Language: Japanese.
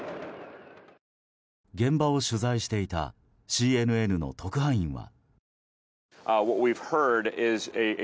現場を取材していたＣＮＮの特派員は。